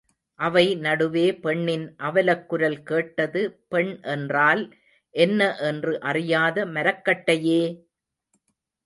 அவை நடுவே பெண்ணின் அவலக்குரல் கேட்டது பெண் என்றால் என்ன என்று அறியாத மரக்கட்டையே!